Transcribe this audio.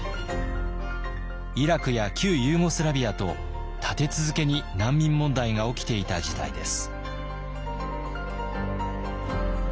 イラクや旧ユーゴスラビアと立て続けに難民問題が起きていた時代です。